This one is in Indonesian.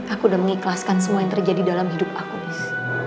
aku udah mengikhlaskan semua yang terjadi dalam hidup aku